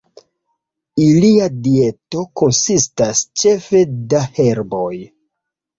Ilia dieto konsistas ĉefe da herboj.